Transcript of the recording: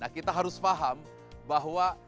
kita harus paham bahwa